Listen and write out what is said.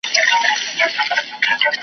سونډ راشنه سول دهقان و اوبدل تارونه .